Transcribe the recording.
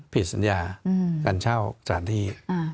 ผิดสัญญาการเช่าสถานที่